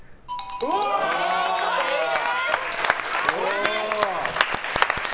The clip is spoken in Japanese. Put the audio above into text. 正解です！